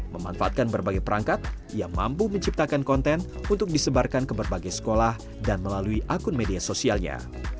memanfaatkan berbagai perangkat ia mampu menciptakan konten untuk disebarkan ke berbagai sekolah dan melalui akun media sosialnya